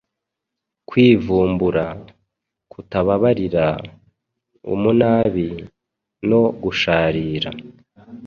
kwivumbura, kutababarira, umunabi no gusharira.